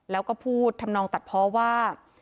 แล้วก็พูดทำนองตัดเพราะว่า